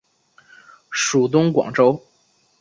属东广州。